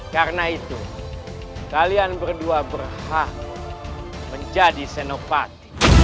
karena itu kalian berdua berhak menjadi senopati